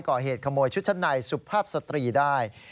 ก่อเหตุขโมยชุดชั้นในสุภาพสตรีได้